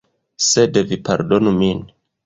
Sed vi pardonu min.